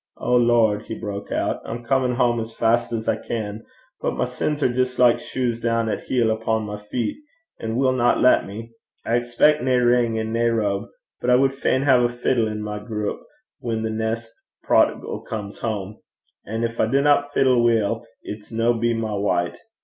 O Lord,' he broke out, 'I'm comin' hame as fest 's I can; but my sins are jist like muckle bauchles (shoes down at heel) upo' my feet and winna lat me. I expec' nae ring and nae robe, but I wad fain hae a fiddle i' my grup when the neist prodigal comes hame; an' gin I dinna fiddle weel, it s' no be my wyte.